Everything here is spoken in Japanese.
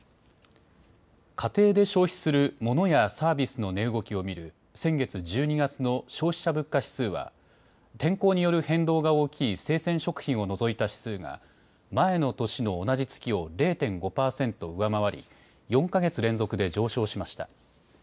家庭で消費するモノやサービスの値動きを見る先月１２月の消費者物価指数は天候による変動が大きい生鮮食品を除いた指数が前の年の同じ月を０．５％上回り４か月連続で上昇しました。